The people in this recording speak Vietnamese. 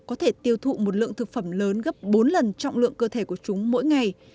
có thể tiêu thụ một lượng thực phẩm lớn gấp bốn lần trọng lượng cơ thể của chúng mỗi ngày